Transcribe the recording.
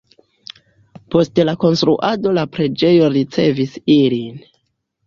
Post la konstruado la preĝejo ricevis ilin.